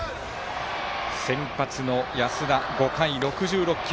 先発の安田、５回６６球。